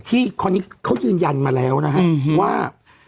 คนนี้เขายืนยันมาแล้วนะฮะว่า